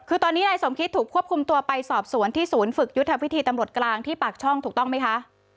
คือตอนนี้นายสมคิดถูกควบคุมตัวไปสอบสวนที่ศูนย์ฝึกยุทธวิธีตำรวจกลางที่ปากช่องถูกต้องไหมคะ